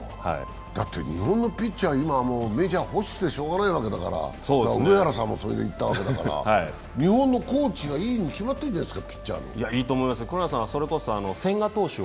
日本のチームはピッチャーが欲しくてしようがないわけだから上原さんもそれで行ったわけだから、日本のコーチがいいに決まってるじゃないですか。